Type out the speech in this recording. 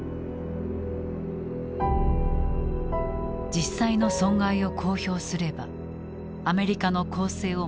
実際の損害を公表すればアメリカの攻勢を招きかねない。